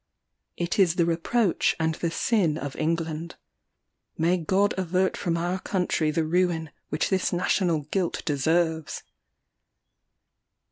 It is the reproach and the sin of England. May God avert from our country the ruin which this national guilt deserves!